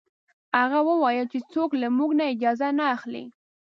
هغه وویل چې څوک له موږ نه اجازه نه اخلي.